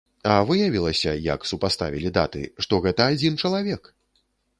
А выявілася, як супаставілі даты, што гэта адзін чалавек!